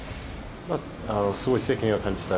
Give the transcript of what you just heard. すごい責任を感じた。